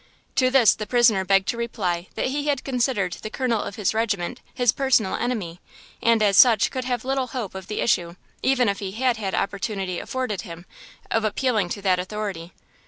To this the prisoner begged to reply that he had considered the Colonel of his Regiment his personal enemy, and as such could have little hope of the issue, even if he had had opportunity afforded him, of appealing to that authority.